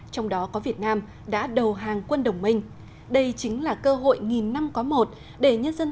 trong đó có việt nam đã đầu hàng quân đồng minh đây chính là cơ hội nghìn năm có một để nhân dân